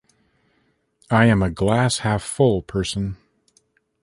I am a glass-half-full person.